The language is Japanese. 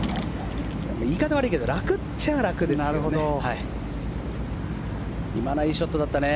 言い方は悪いけど楽っちゃ楽ですよね。